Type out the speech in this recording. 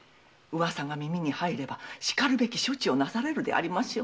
噂が耳に入ればしかるべき処置をなされるでしょう。